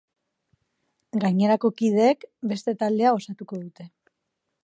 Gainerako kideek, beste taldea osatuko dute.